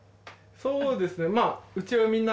そうですねまぁ。